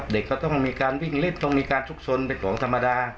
เด็กเขาต้องมีการวิ่งเล่นต้องมีการชุกสนเป็นของธรรมดา